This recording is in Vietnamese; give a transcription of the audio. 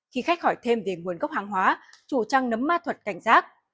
khi khách hỏi thêm về nguồn gốc hàng hóa chủ trang nấm ma thuật cảnh giác